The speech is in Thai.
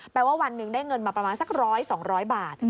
ว่าวันหนึ่งได้เงินมาประมาณสัก๑๐๐๒๐๐บาท